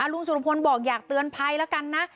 ลุงสุรพลบอกอยากเตือนภัยแล้วกันนะ